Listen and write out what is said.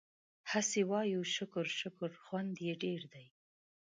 هسې وايو شکر شکر خوند يې ډېر دی